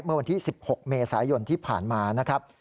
เมื่อวันที่๑๖เมษายนที่ผ่านมานะครับ